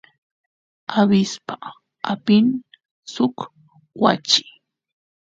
abispa apin suk wachi